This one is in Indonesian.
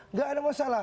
enggak ada masalah